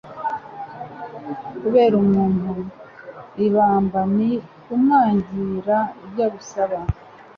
Kubera umuntu ibamba ni Kumwangira ibyo agusaba.